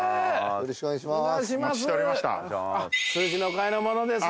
よろしくお願いします